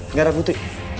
gak ada putri